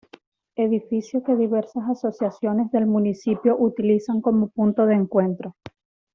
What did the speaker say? Edificio que diversas asociaciones del municipio utilizan como punto de encuentro.